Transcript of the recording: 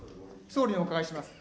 総理にお伺いします。